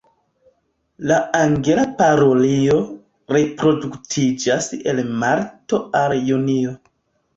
La Angela parulio reproduktiĝas el marto al junio.